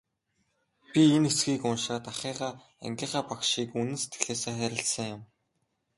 Би энэ хэсгийг уншаад ахыгаа, ангийнхаа багшийг үнэн сэтгэлээсээ хайрласан юм.